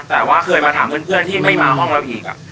แต่ว่าเคยมาถามเพื่อนที่ไม่มาห้องเราอีก